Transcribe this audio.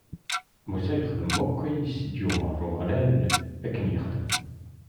Musa yexdem ayen akk i s-d-yumeṛ Umeɣlal, akken i yexdem.